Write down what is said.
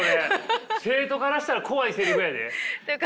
生徒からしたら怖いせりふやで。